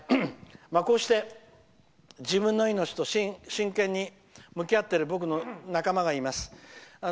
こうして自分の命と真剣に向き合っている僕の仲間がいます。